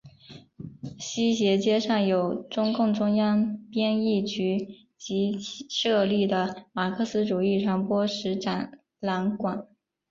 西斜街上有中共中央编译局及其设立的马克思主义传播史展览馆。